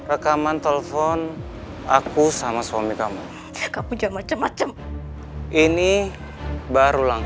aku harus ngapain sekarang